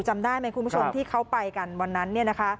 จำได้ไหมคุณผู้ชมที่เขาไปกันวันนั้น